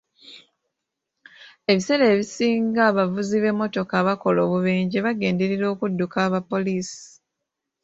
Ebiseera ebisinga abavuzi b'emmotoka abakola obubenje bagenderera okudduka bapoliisi.